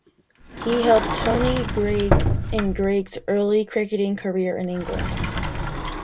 He helped Tony Greig in Greig's early cricketing career in England.